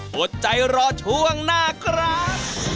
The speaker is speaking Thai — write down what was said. อดใจรอช่วงหน้าครับ